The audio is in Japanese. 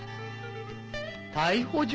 逮捕状？